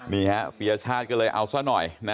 นี่ครับปริญญาชาติก็เลยเอาซะหน่อยนะ